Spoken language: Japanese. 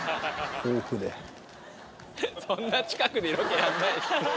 そんな近くでロケやんない。